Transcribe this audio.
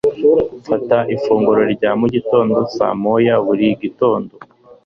Mfata ifunguro rya mu gitondo saa moya buri gitondo.